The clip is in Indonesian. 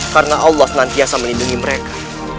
karena allah senantiasa melindungi mereka